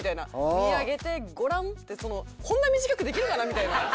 「見上げてごらん」ってこんな短くできるかなみたいな。